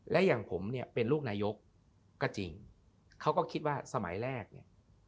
และอย่างผมเนี่ยเป็นลูกนายกก็จริงเขาก็คิดว่าสมัยแรกเนี่ย